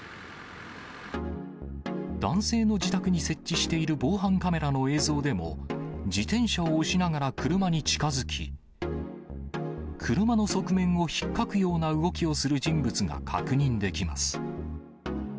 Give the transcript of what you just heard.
男性の自宅に設置している防犯カメラの映像でも、自転車を押しながら車に近づき、車の側面をひっかくような動きをする人物が確認できます。